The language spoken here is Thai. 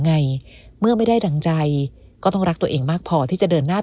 ไงเมื่อไม่ได้ดั่งใจก็ต้องรักตัวเองมากพอที่จะเดินหน้า